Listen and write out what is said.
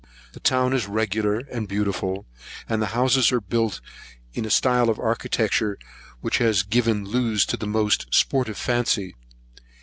The town is regular and beautiful, and the houses are built in a style of architecture, which has given loose to the most sportive fancy.